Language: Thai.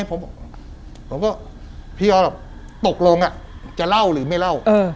ผมก็พี่อ๋อตกลงจะเล่าหรือไม่เล่า